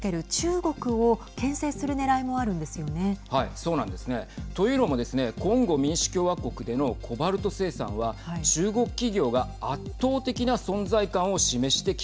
そうなんですね。というのもですねコンゴ民主共和国でのコバルト生産は中国企業が圧倒的なはい。